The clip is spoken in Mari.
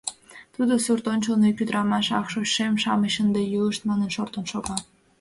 Тудо сурт ончылно ик ӱдырамаш «Ах, шочшем-шамыч ынде йӱлышт!» манын шортын шога.